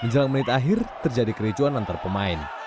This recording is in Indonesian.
menjelang menit akhir terjadi kericuan antar pemain